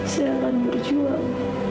saya akan berjuang